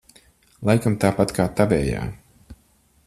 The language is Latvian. Laikam tāpat kā tavējā?